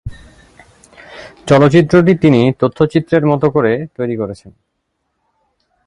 চলচ্চিত্রটি তিনি তথ্যচিত্রের মত করে তৈরি করেছেন।